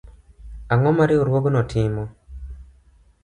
Ang'o ma Riwruogno timo